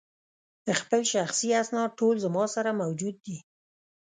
خپل شخصي اسناد ټول زما سره موجود دي.